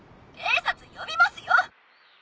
警察呼びますよ！